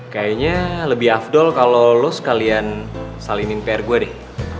kayaknya lebih afdol kalo lo sekalian salimin pr gue deh